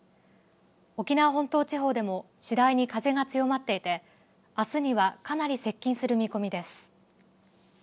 沖縄本島地方でも次第に風が強まっていてあすにはかなり接近する見込みです。